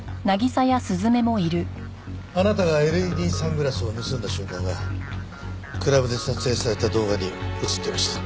あなたがＬＥＤサングラスを盗んだ瞬間がクラブで撮影された動画に映ってました。